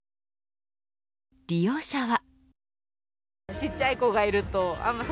利用者は。